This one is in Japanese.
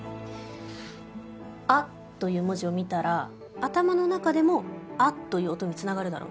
「あ」という文字を見たら頭の中でも「あ」という音に繋がるだろ？